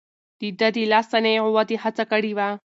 ده د لاس صنايعو ودې هڅه کړې وه.